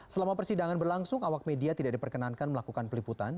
selama persidangan berlangsung awak media tidak diperkenankan melakukan peliputan